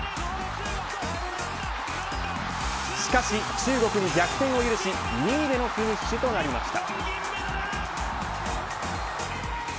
しかし、中国に逆転を許し２位でのフィニッシュとなりました。